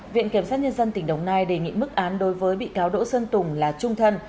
viện kiểm sát nhân dân tỉnh đồng nai đề nghị mức án đối với bị cáo đỗ xuân tùng là trung thân